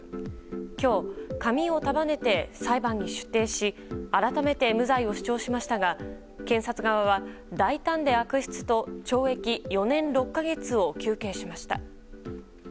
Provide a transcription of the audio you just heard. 今日、髪を束ねて裁判に出廷し改めて無罪を主張しましたが検察側は、大胆で悪質と懲役４年６か月を求刑しました。